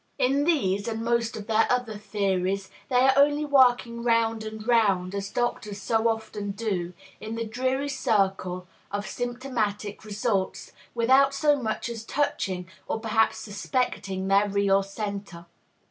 In these, and in most of their other theories, they are only working round and round, as doctors so often do, in the dreary circle of symptomatic results, without so much as touching or perhaps suspecting their real centre.